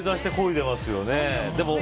正座して、こいでますよね。